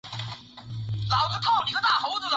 和硕悫靖公主。